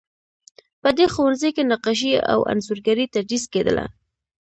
په دې ښوونځي کې نقاشي او انځورګري تدریس کیدله.